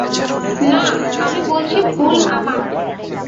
না, আমি বলছি ভুল আমার।